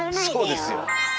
そうですよ。